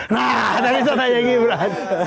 nah ada bisa tanya gibran